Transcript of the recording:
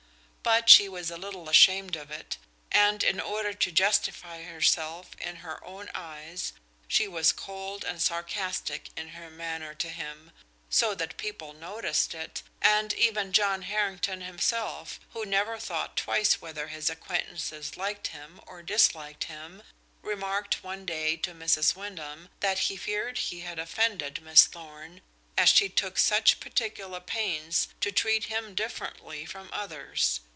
But she was a little ashamed of it, and in order to justify herself in her own eyes she was cold and sarcastic in her manner to him, so that people noticed it, and even John Harrington himself, who never thought twice whether his acquaintances liked him or disliked him, remarked one day to Mrs. Wyndham that he feared he had offended Miss Thorn, as she took such particular pains to treat him differently from others.